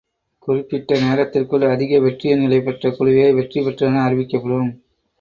குறிப்பிட்ட நேரத்திற்குள் அதிக வெற்றி எண்களைப் பெற்ற குழுவே வெற்றி பெற்றதென அறிவிக்கப்படும்.